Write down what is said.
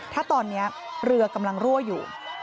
ถ้าตอนนี้เรือกำลังรั่วอยู่